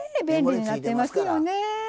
便利になってますよね。